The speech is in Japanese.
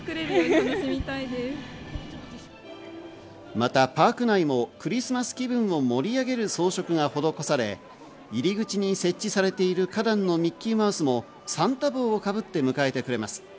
また、パーク内もクリスマス気分を盛り上げる装飾が施され、入り口に設置されている花壇のミッキーマウスもサンタ帽をかぶって迎えてくれます。